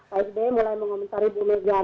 pak sby mulai mengomentari bumegang